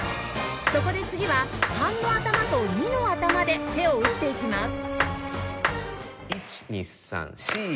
そこで次は３の頭と２の頭で手を打っていきます